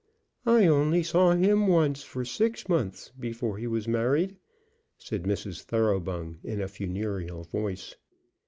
"I only saw him once for six months before he was married," said Mrs. Thoroughbung in a funereal voice.